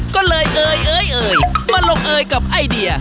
ก็เลยเอ่ยมาลงเอยกับไอเดีย